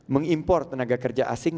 mengimpor tenaga kerja asing